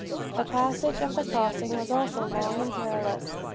The passage of the crossings was also long and perilous.